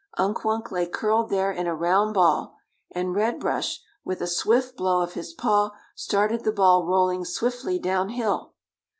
Unk Wunk lay curled there in a round ball, and Red Brush, with a swift blow of his paw, started the ball rolling swiftly down hill.